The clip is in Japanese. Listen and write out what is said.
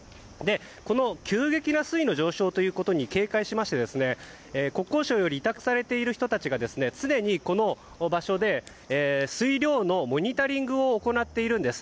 この急激な水位の上昇に警戒しまして国交省より委託されている人たちが常にこの場所で水量のモニタリングを行っているんです。